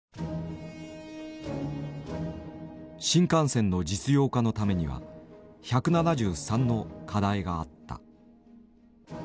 新幹線の実用化のためには１７３の課題があった。